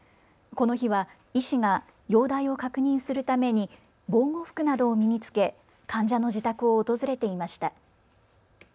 この日は医師が容体を確認するために防護服などを身に着け患者の自宅を訪れていました。